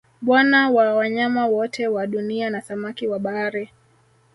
Bwana wa Wanyama wote wa Dunia na samaki wa Bahari